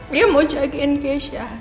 dia mau jagain keisha